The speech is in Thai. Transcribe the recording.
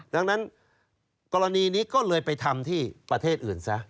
ดังนั้นกรณีนี้ก็เลยไปทำที่ประเทศอื่นซะ